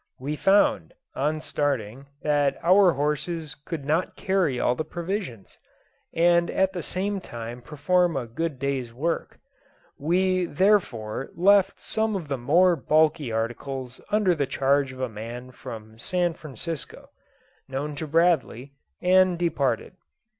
We found, on starting, that our horses could not carry all the provisions, and at the same time perform a good day's work. We, therefore, left some of the more bulky articles under the charge of a man from San Francisco, known to Bradley, and departed.